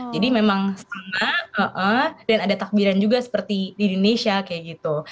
jadi memang sama dan ada takbiran juga seperti di indonesia kayak gitu